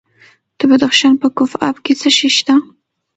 د بدخشان په کوف اب کې څه شی شته؟